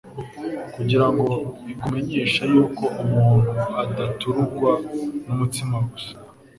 kugira ngo ikumenyeshe yuko umuntu adaturugwa n'umutsima gusa,